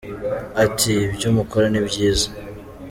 Ati “ Ibyo mukora ni byiza.